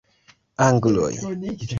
Angloj!